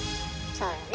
そうよね。